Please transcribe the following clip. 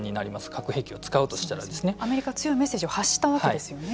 核兵器を使うとしたらでアメリカは強いメッセージを発したわけですよね。